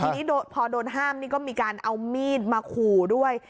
ทีนี้พอโดนห้ามนี่ก็มีการเอามีดมาขู่ด้วย